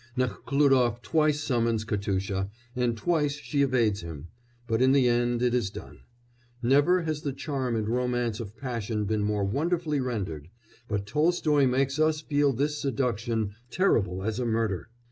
Nekhlúdof twice summons Katusha, and twice she evades him, but in the end it is done. Never has the charm and romance of passion been more wonderfully rendered, but Tolstoy makes us feel this seduction terrible as a murder.